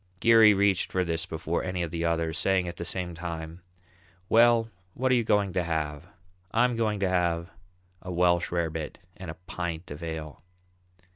Geary reached for this before any of the others, saying at the same time, "Well, what are you going to have? I'm going to have a Welsh rabbit and a pint of ale."